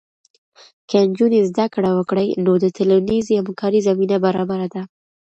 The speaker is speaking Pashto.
که نجونې زده کړه وکړي، نو د ټولنیزې همکارۍ زمینه برابره ده.